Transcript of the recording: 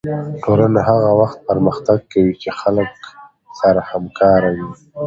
ټولنه هغه وخت پرمختګ کوي چې خلک سره همکاره وي